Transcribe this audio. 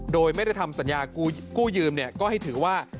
โดยไม่ได้ทำสัญญากู้ยืมก็ให้ถือว่า